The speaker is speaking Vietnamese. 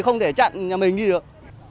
không thể chặn nhà mình đi được